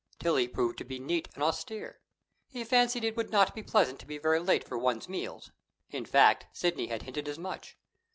Tillie proved to be neat and austere. He fancied it would not be pleasant to be very late for one's meals in fact, Sidney had hinted as much.